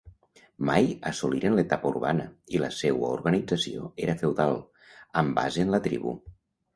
Mai assoliren l'etapa urbana i la seua organització era feudal, amb base en la tribu.